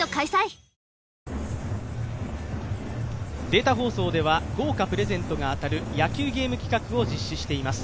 データ放送では豪華プレゼントが当たる野球ゲーム企画を実施しています。